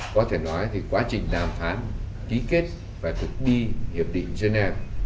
có thể nói thì quá trình đàm phán ký kết và thực đi hiệp định geneva